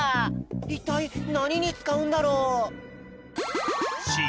いったいなににつかうんだろう？